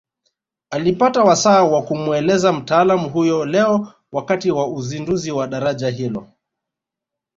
Alipata wasaa wa kumueleza mtaalamu huyo leo wakati wa uzinduzi wa daraja hilo